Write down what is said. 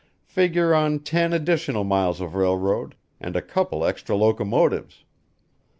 figure on ten additional miles of railroad and a couple extra locomotives.